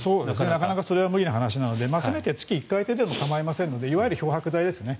なかなかそれは無理な話なので月１回ぐらいで構いませんので漂白剤ですね